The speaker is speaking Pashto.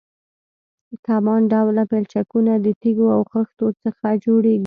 کمان ډوله پلچکونه د تیږو او خښتو څخه جوړیږي